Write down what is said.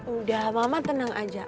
udah mama tenang aja